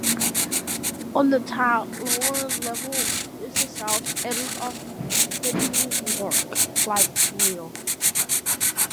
On the lower level is the south end of the Newark Light Rail.